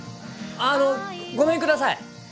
あのごめんください。